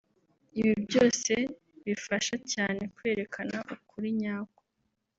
ibi byose bifasha cyane kwerekana ukuri nyako